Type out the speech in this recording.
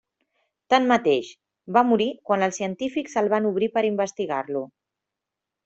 Tanmateix, va morir quan els científics el van obrir per investigar-lo.